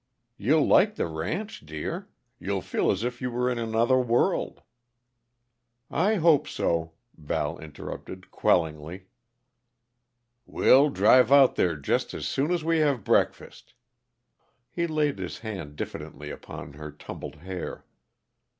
You'll like the ranch, dear. You'll feel as if you were in another world " "I hope so," Val interrupted quellingly. "We'll drive out there just as soon as we have breakfast." He laid his hand diffidently upon her tumbled hair.